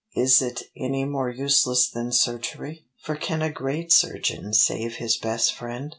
Is it any more useless than surgery? For can a great surgeon save his best friend?